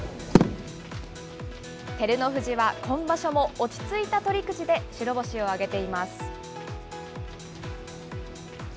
照ノ富士は今場所も落ち着いた取り口で白星を挙げています。